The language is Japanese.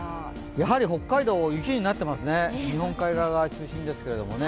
やはり北海道は雪になってますね、日本海側が中心ですけど。